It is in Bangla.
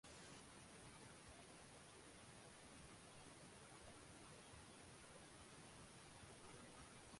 বর্তমানে আট শতাধিক শিক্ষার্থী এ বিদ্যালয়ে অধ্যয়নরত আছে।